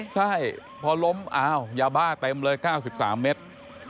ใช่พอล้มอ้าวอย่าบ้าเต็มเลยเก้าสิบสามเมตร